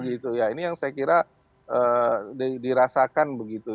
ini yang saya kira dirasakan begitu